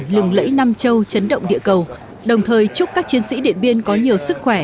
lẫy nam châu chấn động địa cầu đồng thời chúc các chiến sĩ điện biên có nhiều sức khỏe